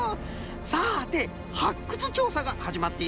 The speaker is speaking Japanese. さてはっくつちょうさがはじまっているようですよ。